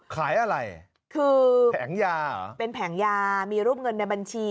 ขายอะไรคือแผงยาเหรอเป็นแผงยามีรูปเงินในบัญชี